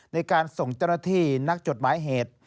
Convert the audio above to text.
ในการส่งเจ้าหน้าที่นักจดหมายเหตุ